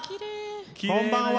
こんばんは。